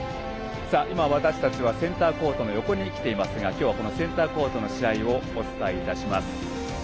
今、私たちはセンターコートの横に来ていますが今日はこのセンターコートの試合をお伝えいたします。